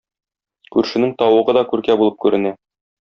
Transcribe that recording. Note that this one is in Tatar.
Күршенең тавыгы да күркә булып күренә.